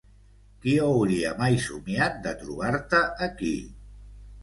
Qui hauria mai somiat de trobar-te aquí?